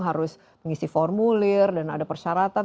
harus mengisi formulir dan ada persyaratan